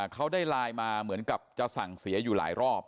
เขาได้ไลน์มาเหมือนกับจะสั่งเสียอยู่หลายรอบ